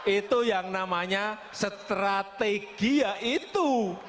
itu yang namanya strategia itu